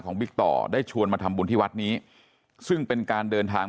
บิ๊กต่อได้ชวนมาทำบุญที่วัดนี้ซึ่งเป็นการเดินทาง